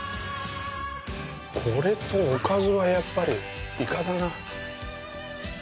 これとおかずはやっぱりイカだな。